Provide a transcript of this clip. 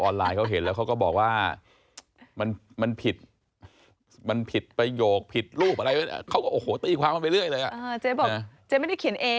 จะเอาคนกับสุนัขไปปล่อยกันไม่ได้